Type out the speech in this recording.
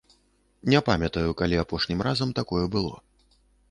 Не памятаю, калі апошнім разам такое было.